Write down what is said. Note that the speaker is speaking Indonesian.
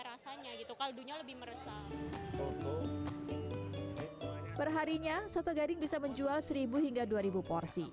rasanya gitu kaldunya lebih meresap perharinya soto gading bisa menjual seribu hingga dua ribu porsi